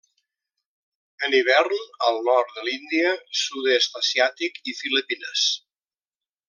En hivern al nord de l'Índia, Sud-est asiàtic, i Filipines.